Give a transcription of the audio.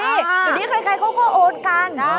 อย่างนี้ใครเขาก็โอนกัน